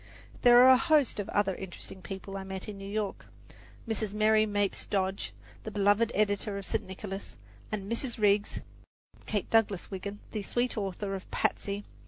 There are a host of other interesting people I met in New York: Mrs. Mary Mapes Dodge, the beloved editor of St. Nicholas, and Mrs. Riggs (Kate Douglas Wiggin), the sweet author of "Patsy."